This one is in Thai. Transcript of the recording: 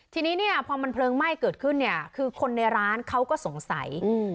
ทีนี้เนี่ยพอมันเพลิงไหม้เกิดขึ้นเนี่ยคือคนในร้านเขาก็สงสัย